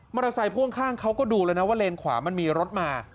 เตอร์ไซค์พ่วงข้างเขาก็ดูแล้วนะว่าเลนขวามันมีรถมา